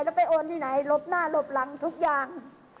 แล้วไปโอนที่ไหนหลบหน้าหลบหลังทุกอย่าง